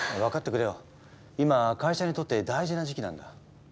今会社にとって大事な時期なんだ。